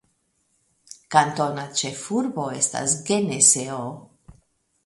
Kantona ĉefurbo estas Geneseo.